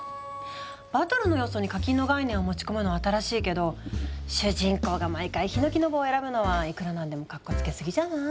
バトルの要素に課金の概念を持ち込むのは新しいけど主人公が毎回ひのきの棒を選ぶのはいくら何でもかっこつけすぎじゃない？